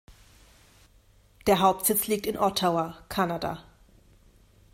Der Hauptsitz liegt in Ottawa, Kanada.